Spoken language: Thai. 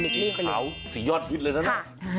สีขาวสียอดพิษเลยนะ